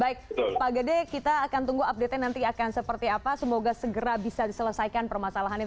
baik pak gede kita akan tunggu update nya nanti akan seperti apa semoga segera bisa diselesaikan permasalahannya